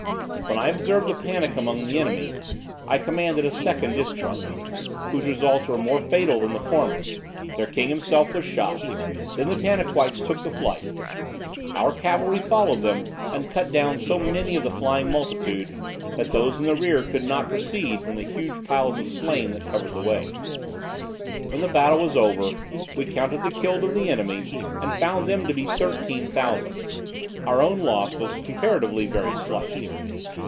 When I observed the panic among the enemy, I commanded a second discharge, whose results were more fatal than the former; their king himself was shot: then the Tanaquites took to flight; our cavalry followed them, and cut down so many of the flying multitude, that those in the rear could not proceed from the huge piles of slain that covered the way. When the battle was over, we counted the killed of the enemy and found them to be thirteen thousand: our own loss was comparatively very slight.